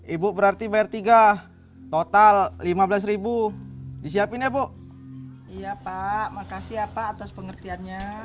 ibu berarti bayar tiga total rp lima belas disiapin ya bu iya pak makasih ya pak atas pengertiannya